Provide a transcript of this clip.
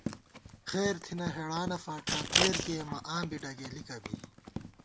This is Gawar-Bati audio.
خیر تھنہ ہېڑانہ فاڄا تېر کېئیمہ آں بی ڈگېلِکہ بی